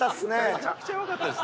めちゃくちゃ弱かったです。